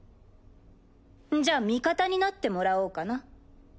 じゃあ味方になってもらおうかな。